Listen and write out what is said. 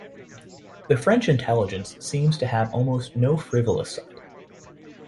The French intelligence seems to have almost no frivolous side.